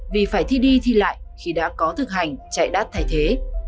vì phải thi đi thi lại khi đã có thực hành chạy đát thay thế